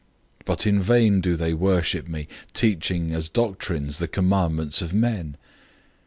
007:007 But in vain do they worship me, teaching as doctrines the commandments of men.'